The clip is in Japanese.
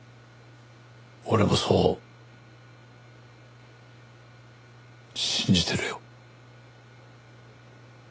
俺もそう信じてるよ。